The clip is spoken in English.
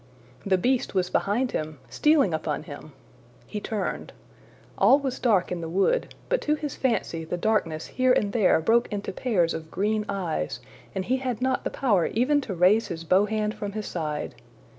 The beast was behind him stealing upon him! He turned. All was dark in the wood, but to his fancy the darkness here and there broke into pairs of green eyes, and he had not the power even to raise his bow hand from his side.